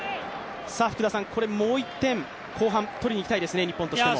もう１点、後半取りにいきたいですね、日本としても。